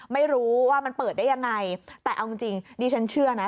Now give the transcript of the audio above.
ไม่รู้ว่ามันเปิดได้ยังไงแต่เอาจริงดิฉันเชื่อนะ